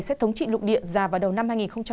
sẽ thống trị lục địa già vào đầu năm hai nghìn hai mươi